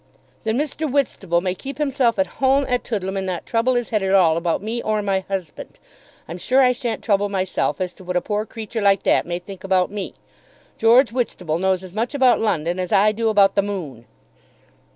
"Then Mr. Whitstable may keep himself at home at Toodlam and not trouble his head at all about me or my husband. I'm sure I shan't trouble myself as to what a poor creature like that may think about me. George Whitstable knows as much about London as I do about the moon."